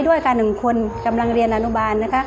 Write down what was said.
ด้วยกับหนึ่งคนกำลังเรียนอนุบาล